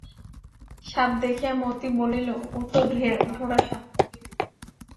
সাপ দেখিয়া মতি বলিল, ও তো ঢোড়া সাপ।